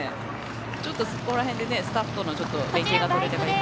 ちょっとそこらへんでスタッフとの連携が取れればいいなと。